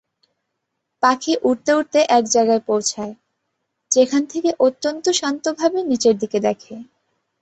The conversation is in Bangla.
পাখী উড়তে উড়তে এক জায়গায় পৌছায়, যেখান থেকে অত্যন্ত শান্তভাবে নীচের দিকে দেখে।